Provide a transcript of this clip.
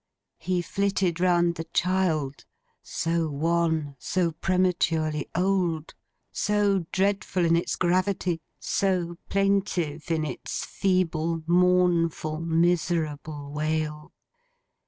He flitted round the child: so wan, so prematurely old, so dreadful in its gravity, so plaintive in its feeble, mournful, miserable wail.